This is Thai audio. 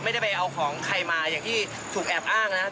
ไม่ได้ไปเอาของใครมาอย่างที่ถูกแอบอ้างนะครับ